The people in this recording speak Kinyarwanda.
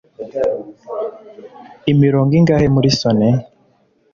Imirongo ingahe muri Sonnet?